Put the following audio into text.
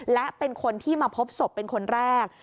และเป็นคนที่มาพบศพเป็นคนแรก